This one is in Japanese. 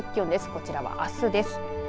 こちらはあすです。